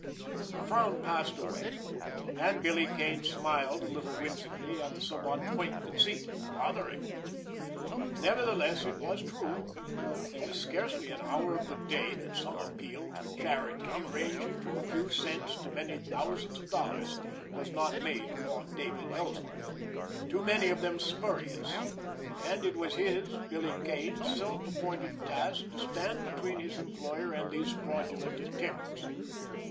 The frown passed away, and Billy Kane smiled a little whimsically at the somewhat quaint conceit. Fathering! Nevertheless, it was true! There was scarcely an hour of the day that some appeal for charity, ranging from a few cents to many thousands of dollars, was not made upon David Ellsworth—too many of them spurious, and it was his, Billy Kane's, self appointed task to stand between his employer and these fraudulent attempts.